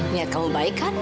niat kamu baik kan